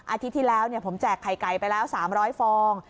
อาทิตย์ที่แล้วผมแจกไข่ไก่ไปแล้ว๓๐๐ฟอง